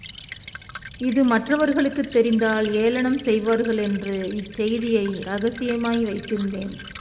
இது மற்றவர்களுக்குத் தெரிந்தால் ஏளனம் செய்வார்களென்று இச்செய்தியை இரகசியமாய் வைத்திருந்தேன்.